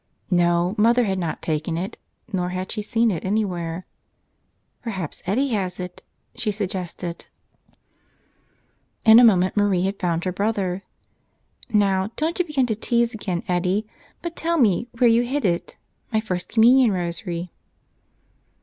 No, mother had not taken it, nor had she seen it anywhere. "Perhaps Eddie has it," she suggested. In a moment Marie had found her brother. "Now, don't you begin to tease again, Eddie, but tell me where you hid it — my First Communion Rosary."